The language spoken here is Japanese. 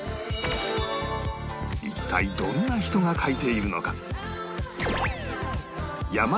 一体どんな人が描いているのか？